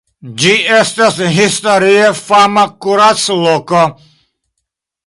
Ĝi estas historie fama kuracloko.